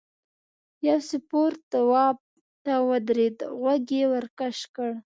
یو سپور تواب ته ودرېد غوږ یې ورکش کړ.